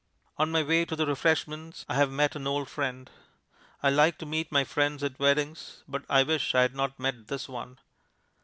On my way to the refreshments I have met an old friend. I like to meet my friends at weddings, but I wish I had not met this one.